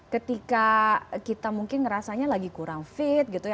ketika kita mungkin ngerasanya lagi kurang fit gitu ya